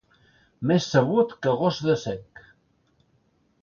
Més sabut que gos de cec.